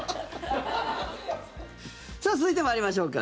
さあ、続いて参りましょうか。